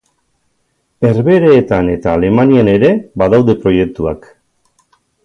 Herbehereetan eta Alemanian ere badaude proiektuak.